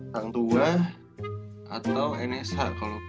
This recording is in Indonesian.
sangtua atau enes kalau